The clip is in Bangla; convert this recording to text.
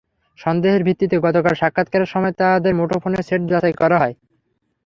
সন্দেহের ভিত্তিতে গতকাল সাক্ষাৎকারের সময় তাঁদের মুঠোফোনের সেট যাচাই করা হয়।